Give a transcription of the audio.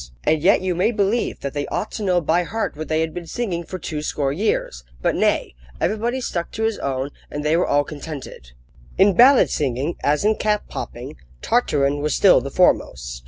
And yet you may believe that they ought to know by heart what they had been singing for two score years! But, nay! everybody stuck to his own, and they were all contented. In ballad singing, as in cap popping, Tartarin was still the foremost.